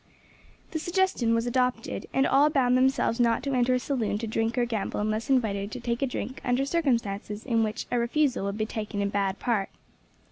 The suggestion was adopted, and all bound themselves not to enter a saloon to drink or gamble unless invited to take a drink under circumstances in which a refusal would be taken in bad part.